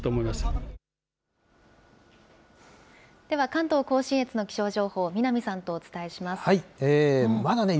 では、関東甲信越の気象情報、南さんとお伝えします。